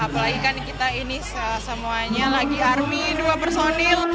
apalagi kan kita ini semuanya lagi army dua personil